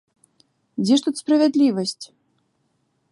Дзе ж тут справядлівасць?